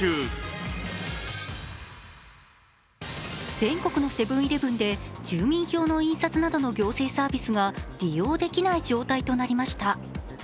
全国のセブン−イレブンで住民票の印刷などの行政サービスが利用できない状態となりました。